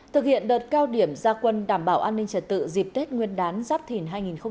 thực hiện đợt cao điểm gia quân đảm bảo an ninh trật tự dịp tết nguyên đán giáp thìn hai nghìn hai mươi bốn